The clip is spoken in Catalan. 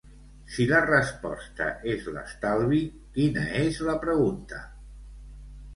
Si la resposta és l'estalvi, quina és la pregunta?